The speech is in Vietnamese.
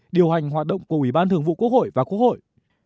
điều hành hoạt động của ủy ban thường vụ quốc hội và quốc hội